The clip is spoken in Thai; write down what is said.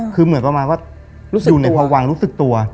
คือเหมือนประมาณว่าอยู่ในพวังรู้สึกตัว